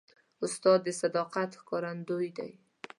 استاد د صداقت ښکارندوی دی.